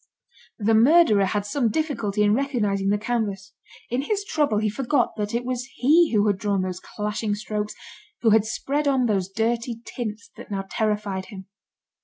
The murderer had some difficulty in recognising the canvas. In his trouble he forgot that it was he who had drawn those clashing strokes, who had spread on those dirty tints that now terrified him.